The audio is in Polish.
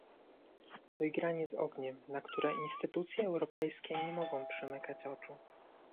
To igranie z ogniem, na które instytucje europejskie nie mogą przymykać oczu